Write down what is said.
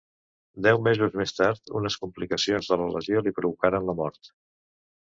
Deu mesos més tard, unes complicacions de la lesió li provocaren la mort.